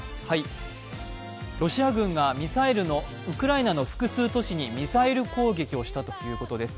ロシア軍がウクライナの複数都市にミサイル攻撃をしたということです。